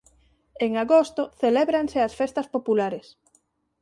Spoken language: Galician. En agosto celébranse as festas populares.